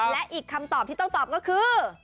และอีกคำตอบที่ต้องตอบก็คือ